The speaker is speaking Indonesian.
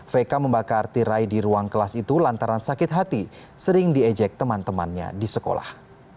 vk membakar tirai di ruang kelas itu lantaran sakit hati sering diejek teman temannya di sekolah